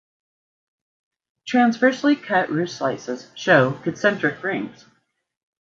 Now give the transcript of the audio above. Transversely cut root slices show concentric rings.